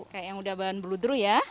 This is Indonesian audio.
kayak yang sudah bahan bluedroo ya